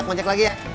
nih mau cek lagi ya